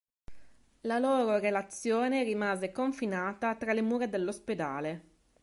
La loro relazione rimase confinata tra le mura dell'ospedale.